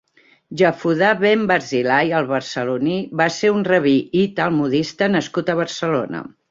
Jafudà ben Barzilai, el Barceloní va ser un rabí i talmudista nascut a Barcelona.